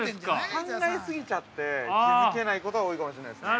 ◆考え過ぎちゃって気づけないことが多いかもしれないですね。